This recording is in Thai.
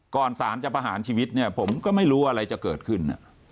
สารจะประหารชีวิตเนี่ยผมก็ไม่รู้อะไรจะเกิดขึ้น